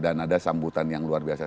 dan ada sambutan yang luar biasa